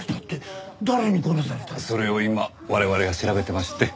それを今我々が調べてまして。